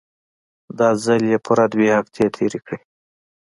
دا ځل يې پوره دوې هفتې تېرې کړې.